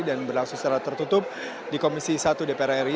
dan berlangsung secara tertutup di komisi satu dpr ri